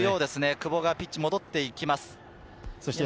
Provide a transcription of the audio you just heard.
久保がピッチに戻っていきます。